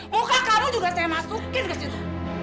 bukan kamu juga saya masukin ke situ